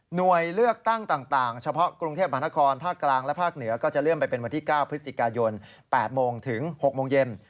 หน่วยเลือกตั้งต่างเฉพาะกรุงเทพมหานครภาคกลางและภาคเหนือก็จะเลื่อนไปเป็นวันที่๙พฤศจิกายน๘โมงถึง๖โมงเย็น